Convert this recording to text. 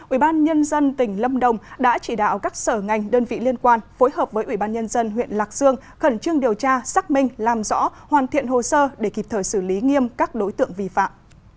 ubnd tỉnh lâm đồng đã chỉ đạo các sở ngành đơn vị liên quan phối hợp với ủy ban nhân dân huyện lạc dương khẩn trương điều tra xác minh làm rõ hoàn thiện hồ sơ để kịp thời xử lý nghiêm các đối tượng vi phạm